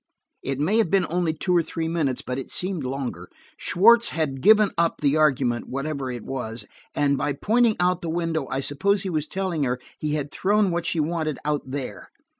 It may have been only two or three minutes, but it seemed longer. Schwartz had given up the argument, whatever it was, and by pointing out the window I supposed he was telling her he had thrown what she wanted out there.